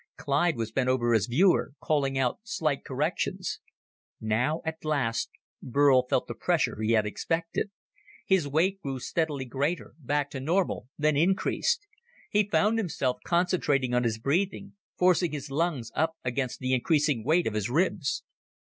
Clyde was bent over his viewer, calling out slight corrections. Now, at last, Burl felt the pressure he had expected. His weight grew steadily greater, back to normal, then increased. He found himself concentrating on his breathing, forcing his lungs up against the increasing weight of his ribs.